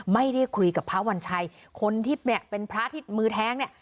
ไม่ได้คุยกับพระวัญชัยคนที่เนี่ยเป็นพระที่มือแท้งเนี่ย